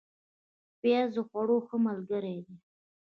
پیاز د خوړو ښه ملګری دی